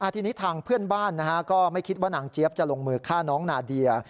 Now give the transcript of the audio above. ทีนี้ทางเพื่อนบ้านก็ไม่คิดว่านางเจี๊ยบจะลงมือฆ่าน้องนาเดีย